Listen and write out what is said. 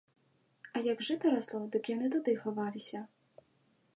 А як жыта расло, дык яны туды хаваліся.